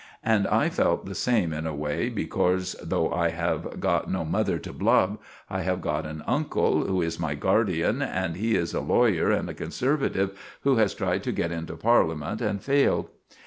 And I felt the same in a way, becorse, though I have got no mother to blub, I have got an uncle, who is my gardian, and he is a lawer and a Conservitive who has tried to get into Parleyment and failed.